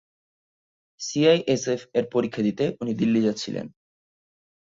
সিআইএসএফ-এর পরীক্ষা দিতে উনি দিল্লি যাচ্ছিলেন।